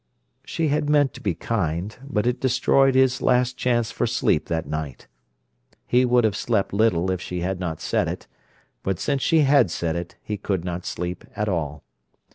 She had meant to be kind, but it destroyed his last chance for sleep that night. He would have slept little if she had not said it, but since she had said it, he could not sleep at all.